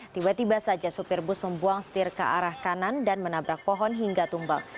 tiba tiba saja supir bus membuang setir ke arah kanan dan menabrak pohon hingga tumbang